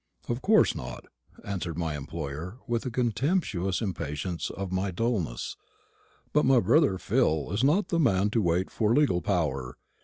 "Of course not," answered my employer, with contemptuous impatience of my dulness; "but my brother Phil is not the man to wait for legal power.